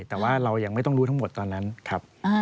แต่ว่าเรายังไม่ต้องรู้ทั้งหมดตอนนั้นครับ